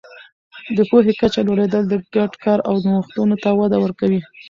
د پوهې کچه لوړېدل د ګډ کار او نوښتونو ته وده ورکوي.